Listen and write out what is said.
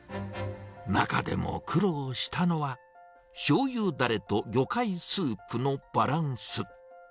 中でも苦労したのは、しょうゆだれと魚介スープのバランス。